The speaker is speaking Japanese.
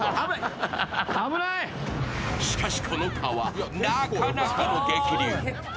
しかしこの川、なかなかの激流。